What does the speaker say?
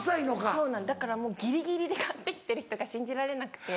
そうだからもうギリギリで買って来てる人が信じられなくて。